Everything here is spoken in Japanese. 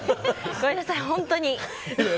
ごめんなさい、本当に。